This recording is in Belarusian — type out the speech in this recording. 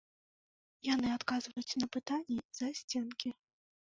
Яны адказваюць на пытанні з-за сценкі.